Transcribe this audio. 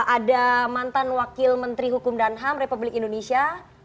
ada mantan wakil menteri hukum dan ham republik indonesia